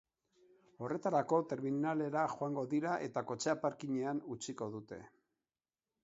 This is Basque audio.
Horretarako, terminalera joango dira eta kotxea parkingean utziko dute.